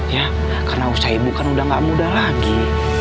ya karena usaha ibu kan udah nggak muda lagi